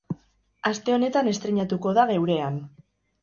Aste honetan estreinatuko da geurean.